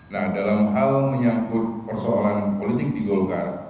nah dalam hal menyangkut persoalan politik di golkar